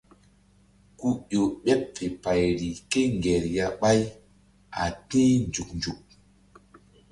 Ku ƴo ɓeɓ fe payri kéŋger ya ɓáy a ti̧h nzuk nzuk.